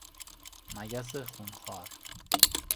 مگس خونخوار